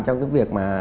trong cái việc mà